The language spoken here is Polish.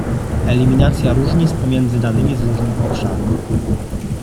Eliminacja różnic pomiędzy danymi z różnych obszarów